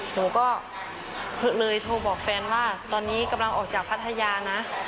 หนูก็เลยโทรบอกแฟนว่าตอนนี้กำลังออกจากพัทยานะ